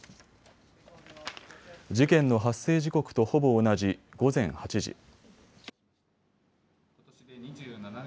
事件の発生時刻とほぼ同じ午前８時。